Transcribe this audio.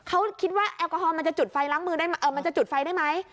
เขาคิดว่าแอลกอฮอล์มันจะจุดไฟล้างมือได้ไหม